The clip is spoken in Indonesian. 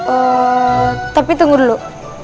ee tapi tunggu dulu